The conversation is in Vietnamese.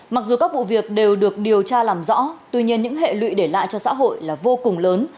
mặc dù các vụ việc đều được điều tra làm rõ tuy nhiên những hệ lụy để lại cho xã hội là vô cùng lớn